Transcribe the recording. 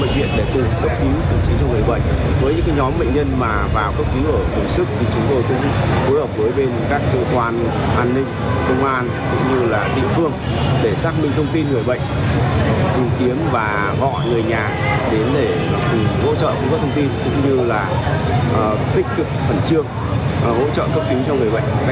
chúng tôi có thông tin tích cực phẩn trương hỗ trợ cấp cứu cho người bệnh bệnh tìm hợp